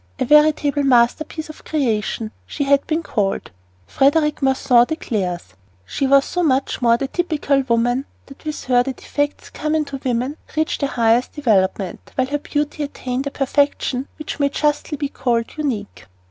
"A veritable masterpiece of creation," she had been called. Frederic Masson declares: She was so much more the typical woman that with her the defects common to women reached their highest development, while her beauty attained a perfection which may justly be called unique.